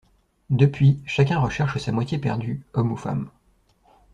Depuis, chacun recherche sa moitié perdue, homme ou femme.